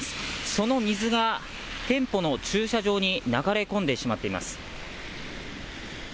その水が店舗の駐車場に流れ込んでしまっています。